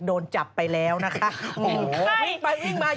โดนจับไปแล้วนะคะ